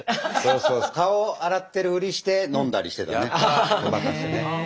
そうそう顔を洗ってるふりして飲んだりしてたねごまかしてね。